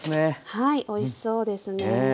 はいおいしそうですね。